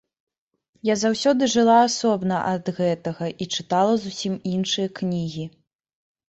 Я заўсёды жыла асобна ад гэтага і чытала зусім іншыя кнігі.